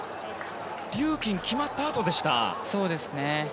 リューキンが決まったあとでした。